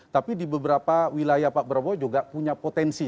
tapi di beberapa wilayah pak prabowo juga punya potensi